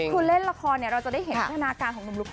คือเล่นละครเราจะได้เห็นพัฒนาการของหนุ่มลุก